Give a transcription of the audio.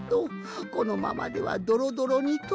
このままではドロドロにとけて。